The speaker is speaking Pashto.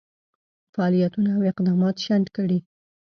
فعالیتونه او اقدامات شنډ کړي.